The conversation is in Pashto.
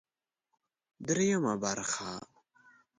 درېيمه برخه